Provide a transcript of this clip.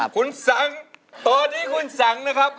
คุณสังตอนนี้คุณสังนะครับ